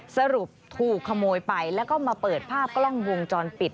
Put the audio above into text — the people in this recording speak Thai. สรุปถูกขโมยไปแล้วก็มาเปิดภาพกล้องวงจรปิด